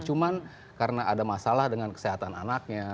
cuma karena ada masalah dengan kesehatan anaknya